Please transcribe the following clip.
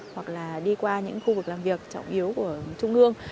hoặc là đi qua những khu vực làm việc trọng yếu của trung ương